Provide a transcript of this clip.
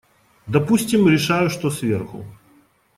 Допустим, решаю, что сверху.